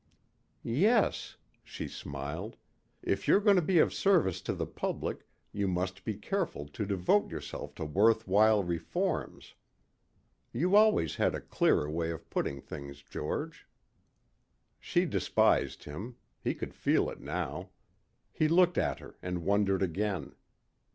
"Yes," she smiled, "if you're going to be of service to the public you must be careful to devote yourself to worthwhile reforms. You always had a clearer way of putting things, George." She despised him. He could feel it now. He looked at her and wondered again.